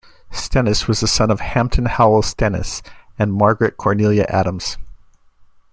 Stennis was the son of Hampton Howell Stennis and Margaret Cornelia Adams.